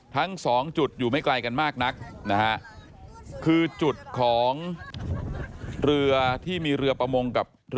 ทั้งสองจุดอยู่ไม่ไกลกันมากนัก